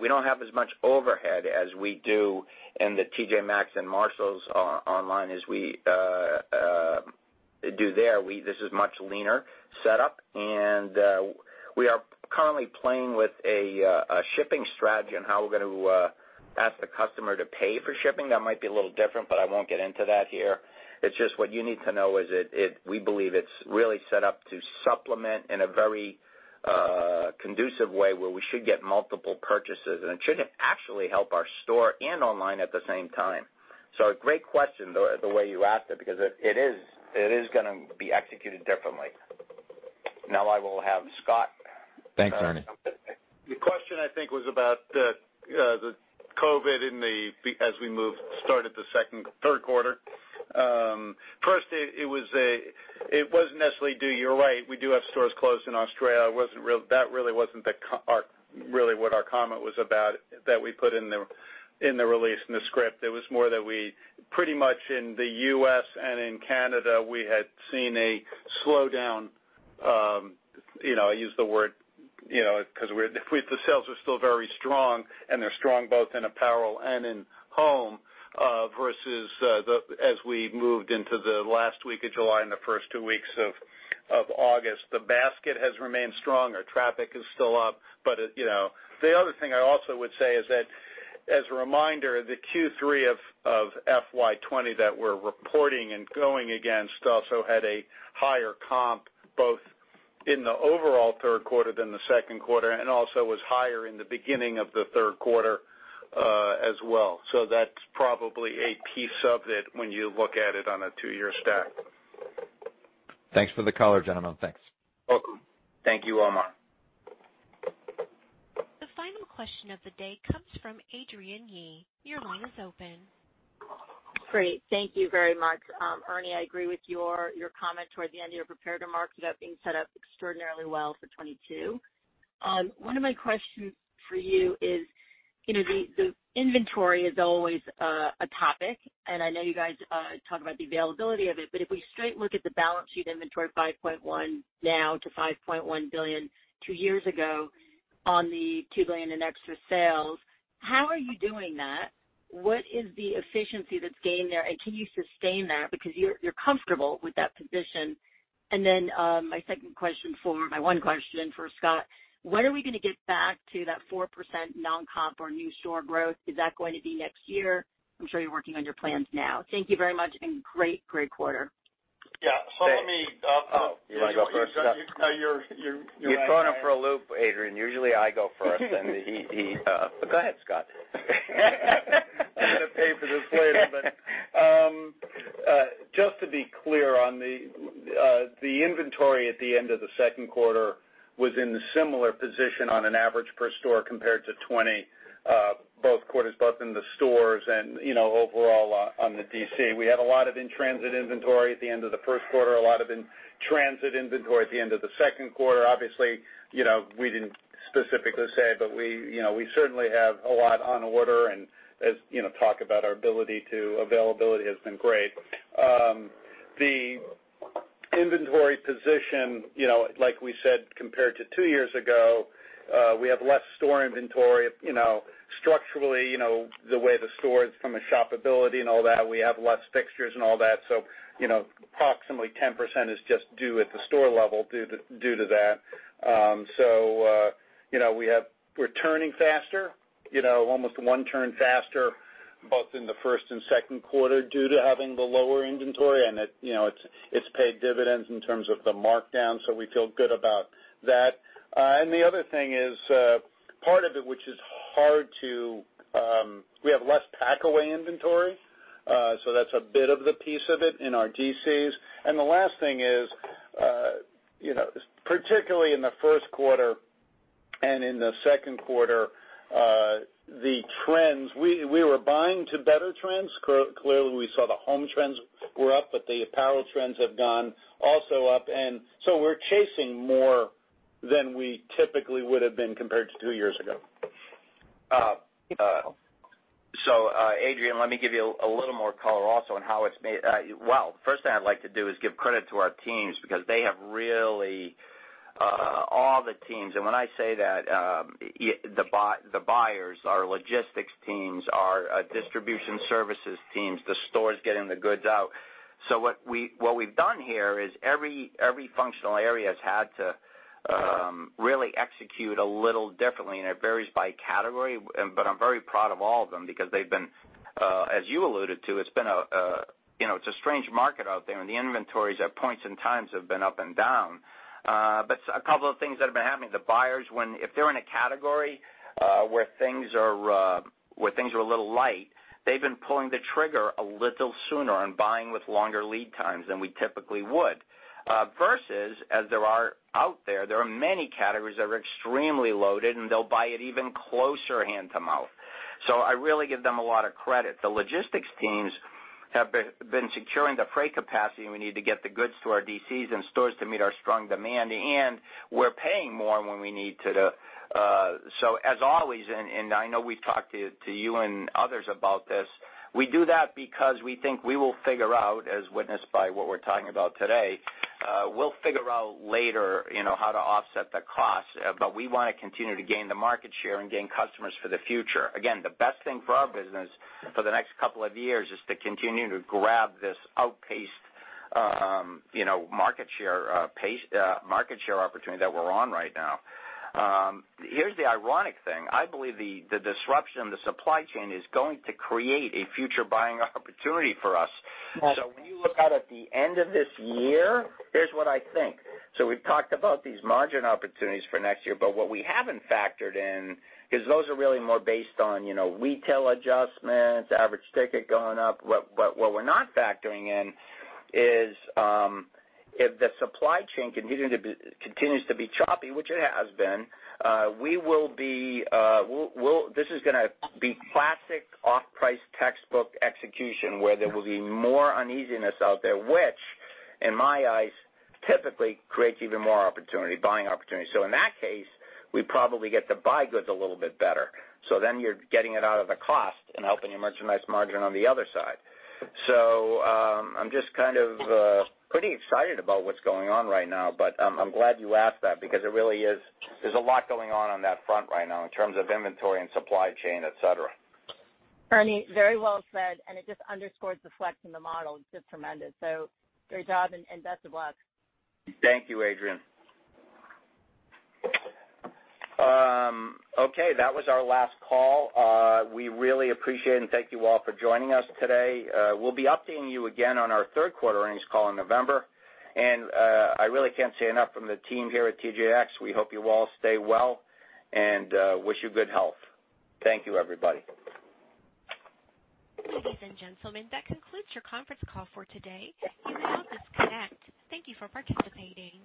Speaker 2: We don't have as much overhead as we do in the T.J. Maxx and Marshalls online as we do there. This is much leaner set up. We are currently playing with a shipping strategy on how we're going to ask the customer to pay for shipping. That might be a little different, but I won't get into that here. It's just what you need to know is we believe it's really set up to supplement in a very conducive way where we should get multiple purchases, and it should actually help our store and online at the same time. A great question, the way you asked it, because it is going to be executed differently. Now I will have Scott.
Speaker 10: Thanks, Ernie.
Speaker 4: The question, I think, was about the COVID as we start at the third quarter. It wasn't necessarily, you're right, we do have stores closed in Australia. That wasn't really what our comment was about that we put in the release, in the script. It was more that we pretty much in the U.S. and in Canada, we had seen a slowdown. I use the word, because the sales are still very strong and they're strong both in apparel and in home, versus as we moved into the last week of July and the first 2 weeks of August. The basket has remained strong. Our traffic is still up. The other thing I also would say is that as a reminder, the Q3 of FY 2020 that we're reporting and going against also had a higher comp, both in the overall third quarter than the second quarter, and also was higher in the beginning of the third quarter as well. That's probably a piece of it when you look at it on a two-year stack.
Speaker 10: Thanks for the color, gentlemen. Thanks.
Speaker 2: Welcome. Thank you, Omar.
Speaker 1: The final question of the day comes from Adrienne Yih. Your line is open.
Speaker 11: Great. Thank you very much. Ernie, I agree with your comment toward the end of your prepared remarks about being set up extraordinarily well for 2022. One of my question for you is the inventory is always a topic and I you know you guys talk about the availabilty of it but we straight look at the balance sheet inventory, $5.1 billion now to $5.1 billion two years ago on the $2 billion in extra sales, how are you doing that? What is the efficiency that's gained there, and can you sustain that? Because you're comfortable with that position. My second for, my one question for Scott, when are we going to get back to that 4% non-comp or new store growth? Is that going to be next year? I'm sure you're working on your plans now. Thank you very much and great great quarter.
Speaker 4: Yeah. Follow me up.
Speaker 2: You want to go first, Scott?
Speaker 4: You're.
Speaker 2: You've thrown him for a loop, Adrienne. Usually I go first, but go ahead, Scott.
Speaker 4: I'm going to pay for this later, but just to be clear on the inventory at the end of the second quarter was in the similar position on an average per store compared to 2020, both quarters, both in the stores and overall on the DC. We had a lot of in-transit inventory at the end of the first quarter, a lot of in-transit inventory at the end of the second quarter. Obviously, we didn't specifically say, but we certainly have a lot on order and as talk about our ability to, availability has been great. The inventory position, like we said, compared to two years ago, we have less store inventory. Structurally, the way the store is from a shopability and all that, we have less fixtures and all that. Approximately 10% is just due at the store level due to that. We're turning faster, almost one turn faster, both in the first and second quarter due to having the lower inventory, and it's paid dividends in terms of the markdown. We feel good about that. The other thing is part of it. We have less pack-away inventory, so that's a bit of the piece of it in our DCs. The last thing is, particularly in the first quarter and in the second quarter, the trends, we were buying to better trends. Clearly, we saw the home trends were up, but the apparel trends have gone also up. We're chasing more than we typically would have been compared to two years ago.
Speaker 11: Beautiful.
Speaker 2: Adrienne, let me give you a little more color also on how it's made. First thing I'd like to do is give credit to our teams because they have really, all the teams, and when I say that, the buyers, our logistics teams, our distribution services teams, the stores getting the goods out. What we've done here is every functional area has had to really execute a little differently, and it varies by category, but I'm very proud of all of them because they've been, as you alluded to, it's a strange market out there, and the inventories at points in times have been up and down. A couple of things that have been happening, the buyers, if they're in a category where things are a little light, they've been pulling the trigger a little sooner and buying with longer lead times than we typically would. Versus, as there are out there are many categories that are extremely loaded, and they'll buy it even closer hand to mouth. I really give them a lot of credit. The logistics teams have been securing the freight capacity we need to get the goods to our DCs and stores to meet our strong demand, and we're paying more when we need to. As always, and I know we've talked to you and others about this, we do that because we think we will figure out, as witnessed by what we're talking about today, we'll figure out later how to offset the cost. We want to continue to gain the market share and gain customers for the future. Again, the best thing for our business for the next couple of years is to continue to grab this outpaced market share opportunity that we're on right now. Here's the ironic thing. I believe the disruption in the supply chain is going to create a future buying opportunity for us. When you look out at the end of this year, here's what I think. We've talked about these margin opportunities for next year, but what we haven't factored in, because those are really more based on retail adjustments, average ticket going up. What we're not factoring in is if the supply chain continues to be choppy, which it has been, this is going to be classic off-price textbook execution where there will be more uneasiness out there, which, in my eyes, typically creates even more buying opportunity. In that case, we probably get to buy goods a little bit better. You're getting it out of the cost and helping your merchandise margin on the other side. I'm just kind of pretty excited about what's going on right now, but I'm glad you asked that because there's a lot going on on that front right now in terms of inventory and supply chain, et cetera.
Speaker 11: Ernie, very well said, and it just underscores the flex in the model. It's just tremendous. Great job and best of luck.
Speaker 2: Thank you, Adrienne. Okay, that was our last call. We really appreciate and thank you all for joining us today. We'll be updating you again on our third quarter earnings call in November. I really can't say enough from the team here at TJX. We hope you all stay well and wish you good health. Thank you, everybody.
Speaker 1: Ladies and gentlemen, that concludes your conference call for today. You may now disconnect. Thank you for participating.